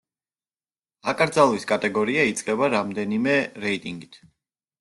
აკრძალვის კატეგორია იწყება რამდენიმე რეიტინგით.